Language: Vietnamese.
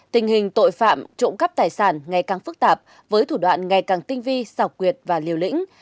tội phạm trộm cắp tài sản ngày càng phức tạp với thủ đoạn ngày càng tinh vi sọc quyệt và liều lĩnh